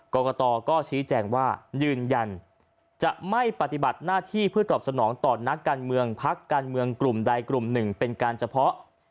กรกตก็ชี้แจงว่ายืนยันจะไม่ปฏิบัติหน้าที่เพื่อตอบสนองต่อนักการเมืองพักการเมืองกลุ่มใดกลุ่มหนึ่งเป็นการเฉพาะ